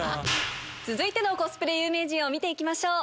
続いてのコスプレ有名人を見て行きましょう。